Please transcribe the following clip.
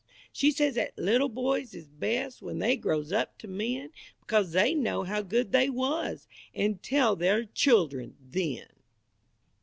She says 'at little boys is best When they grows up to men, Because they know how good they was, An' tell their children, then!